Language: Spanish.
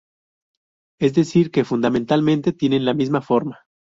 Es decir que, fundamentalmente, tienen la misma forma.